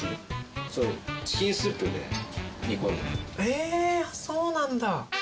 えそうなんだ。